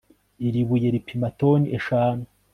Iri buye ripima toni eshanu